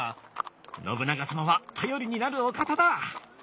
信長様は頼りになるお方だ！